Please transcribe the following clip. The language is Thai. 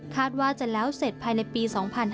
ว่าจะแล้วเสร็จภายในปี๒๕๕๙